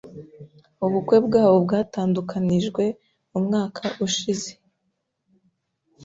Ubukwe bwabo bwatandukanijwe umwaka ushize.